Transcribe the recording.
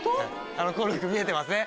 あのコルク見えてますね